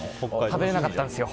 食べれなかったんですよ